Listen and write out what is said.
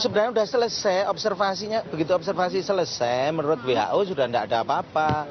sebenarnya sudah selesai observasinya begitu observasi selesai menurut who sudah tidak ada apa apa